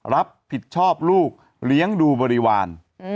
รับผิดชอบลูกเลี้ยงดูบริวาร